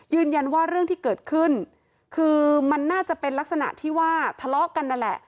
เรื่องที่เกิดขึ้นคือมันน่าจะเป็นลักษณะที่ว่าทะเลาะกันนั่นแหละ